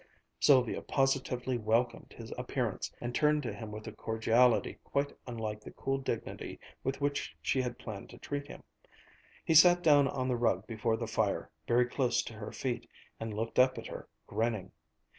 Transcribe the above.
Sylvia positively welcomed his appearance and turned to him with a cordiality quite unlike the cool dignity with which she had planned to treat him. He sat down on the rug before the fire, very close to her feet, and looked up at her, grinning.